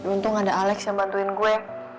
untung ada alex yang bantuin gue